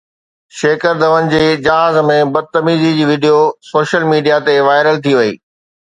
شيڪر ڌون جي جهاز ۾ بدتميزي جي وڊيو سوشل ميڊيا تي وائرل ٿي وئي